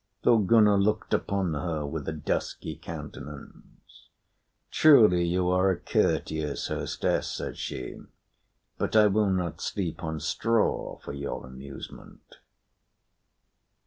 Thorgunna looked upon her with a dusky countenance. "Truly you are a courteous hostess," said she, "but I will not sleep on straw for your amusement."